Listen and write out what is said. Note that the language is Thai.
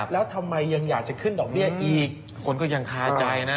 แล้วทำไมยังอยากจะขึ้นดอกเบี้ยอีกคนก็ยังคาใจนะ